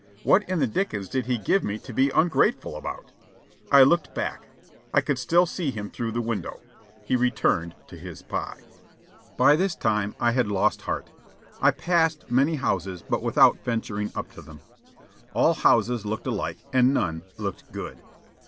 "What in the dickens did he give me to be ungrateful about?" I looked back. I could still see him through the window. He had returned to his pie. By this time I had lost heart. I passed many houses by without venturing up to them. All houses looked alike, and none looked "good."